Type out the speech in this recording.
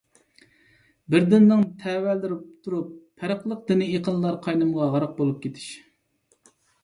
بىر دىننىڭ تەۋەلىرى تۇرۇپ پەرقلىق دىنىي ئېقىنلار قاينىمىغا غەرق بولۇپ كېتىش.